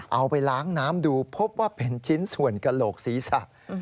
เอาไปล้างน้ำดูพบว่าเป็นชิ้นส่วนกระโหลกศีรษะ